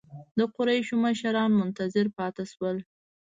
د قریشو مشران منتظر پاتې شول.